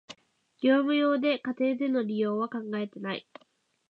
業務用で、家庭での利用は考えてない